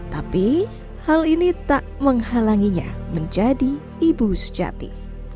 tapi hal ini tak menghalanginya menjadi ibu sejati